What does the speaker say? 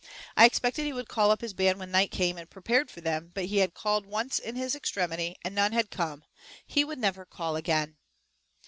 I expected he would call up his band when night came, and prepared for them, but he had called once in his extremity, and none had come; he would never call again.